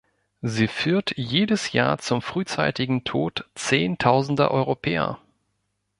Sie führt jedes Jahr zum frühzeitigen Tod Zehntausender Europäer.